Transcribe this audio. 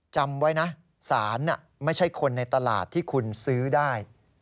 จำไว้นะสารไม่ใช่คนในตลาดที่คุณซื้อได้